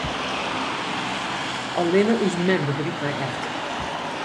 Allinne ús mem begrypt my echt.